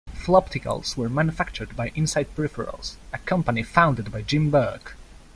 Flopticals were manufactured by Insite Peripherals, a company founded by Jim Burke.